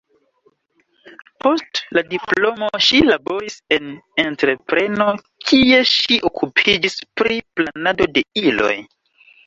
Post la diplomo ŝi laboris en entrepreno, kie ŝi okupiĝis pri planado de iloj.